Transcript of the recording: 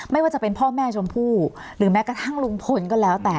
ไม่ว่าจะเป็นพ่อแม่ชมพู่หรือแม้กระทั่งลุงพลก็แล้วแต่